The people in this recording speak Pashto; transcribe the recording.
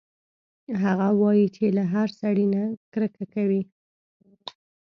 هغه وايي چې له هر سړي نه کرکه کوي